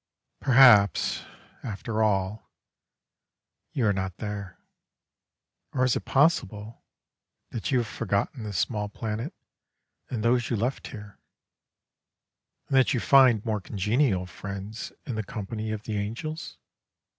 Perhaps, after all, you are not there; or is it possible that you have forgotten this small planet and those you left here, and that you find more congenial friends in the company of the angels?